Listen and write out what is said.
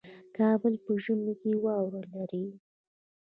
کابل په ژمي کې واوره لري